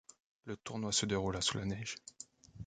Le tournoi se déroula sous la neige.